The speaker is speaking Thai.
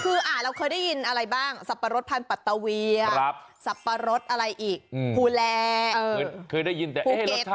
คืออ่าเราเคยได้ยินอะไรบ้างสับปะรดพันธุ์ปัตเตาเวียสับปะรดอะไรอีกภูแโละ